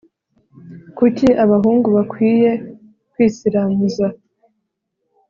Kuki abahungu bakwiye kwisiramuza?